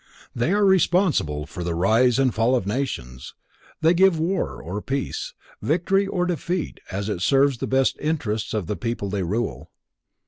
They are responsible for the rise and fall of nations, they give war or peace, victory or defeat as it serves the best interests of the people they rule.